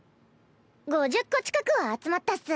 ５０個近くは集まったっス。